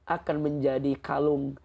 akan menjadi kalung